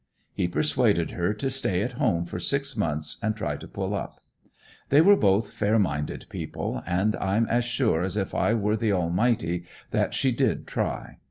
He persuaded her to stay at home for six months and try to pull up. They were both fair minded people, and I'm as sure as if I were the Almighty, that she did try.